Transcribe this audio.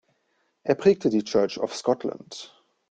Er prägte die Church of Scotland.